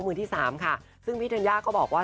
มือที่สามค่ะซึ่งพี่ธัญญาก็บอกว่า